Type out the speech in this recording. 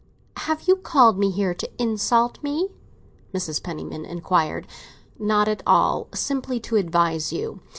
"Have you called me here to insult me?" Mrs. Penniman inquired. "Not at all. Simply to advise you.